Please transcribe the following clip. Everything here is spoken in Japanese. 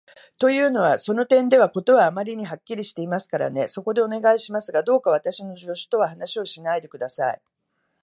というのは、その点では事はあまりにはっきりしていますからね。そこで、お願いしますが、どうか私の助手とは話をしないで下さい。